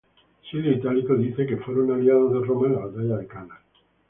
Silio Itálico dice que fueron aliados de Roma en la Batalla de Cannas.